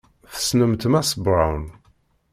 Tessnemt Mass Brown?